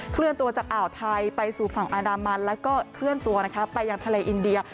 เลื่อนตัวจากอ่าวไทยไปสู่ฝั่งอันดามันแล้วก็เคลื่อนตัวนะคะไปยังทะเลอินเดีย